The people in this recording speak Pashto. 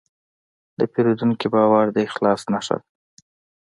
د پیرودونکي باور د اخلاص نښه ده.